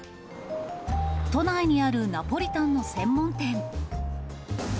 都内にあるナポリタンの専門店。